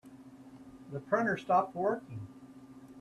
The printer stopped working.